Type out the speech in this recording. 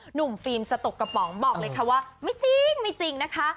หนุ่มฟิล์มจะตกกระป๋องบอกเลยค่ะว่าไม่จริงนะคะ